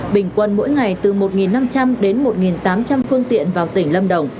bình quân mỗi ngày từ một năm trăm linh đến một tám trăm linh phương tiện vào tỉnh lâm đồng